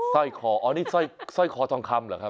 ร้อยคออ๋อนี่สร้อยคอทองคำเหรอครับ